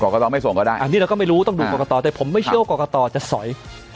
ก็ต้องไม่ส่งก็ได้อันนี้เราก็ไม่รู้ต้องดูกรกตแต่ผมไม่เชื่อว่ากรกตจะสอย